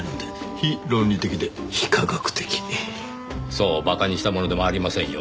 そう馬鹿にしたものでもありませんよ。